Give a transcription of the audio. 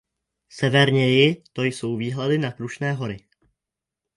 Severněji to jsou výhledy na Krušné hory.